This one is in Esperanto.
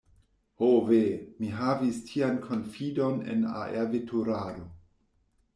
Ho ve! mi havis tian konfidon en aerveturado.